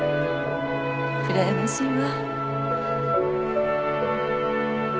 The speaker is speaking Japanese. うらやましいわ。